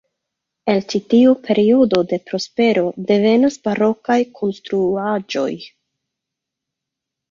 El ĉi tiu periodo de prospero devenas barokaj konstruaĵoj.